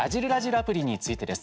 アプリについてです。